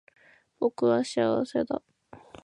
僕は幸せだ